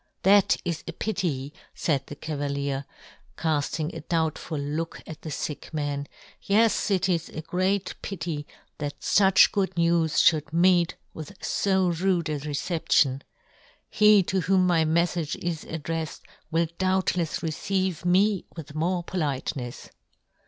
" That is a pity," faid the cavalier, cafting a doubtful look at the fick man, " yes, it is a great pity that " fuch good news fhould meet with fo " rude a reception. He to whom my " meifage is addreffed will doubtlefs " receive me with more politenefs."